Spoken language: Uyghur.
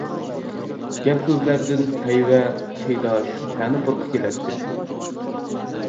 گەپ-سۆزلەردىن ھەيۋە، قېيىداش، تەنە پۇرىقى كېلەتتى.